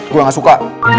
gue gak suka